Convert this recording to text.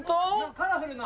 カラフルな。